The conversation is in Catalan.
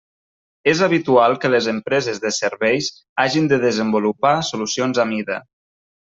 És habitual que les empreses de serveis hagin de desenvolupar solucions a mida.